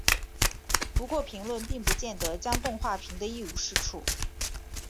不过评论并不见得将动画评得一无是处。